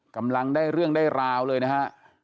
กำลังได้เรื่องได้ราวเลยนะฮะ